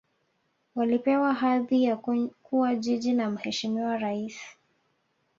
walipewa hadhi ya kuwa jiji na mheshimiwa rais